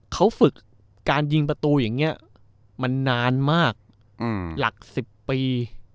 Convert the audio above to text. เขาฝึกการยิงประตูอย่างนี้มันนานมากหลัก๑๐ปี